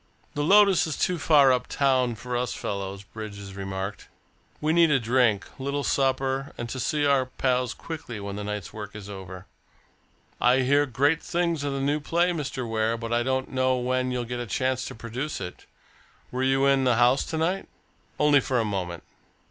"The Lotus is too far up town for us fellows," Bridges remarked. "We need a drink, a little supper, and to see our pals quickly when the night's work is over. I hear great things of the new play, Mr. Ware, but I don't know when you'll get a chance to produce it. Were you in the house tonight?" "Only for a moment."